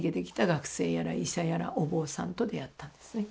学生やら医者やらお坊さんと出会ったんですね。